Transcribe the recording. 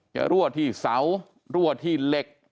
จะรวดที่เสารวดที่เหล็ก